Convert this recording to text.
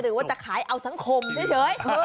หรือว่าจะขายเอาสังคมเฉย